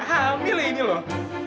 gak hamil ini loh